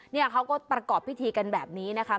เนี่ยเขาก็ประกอบพิธีกันแบบนี้นะคะ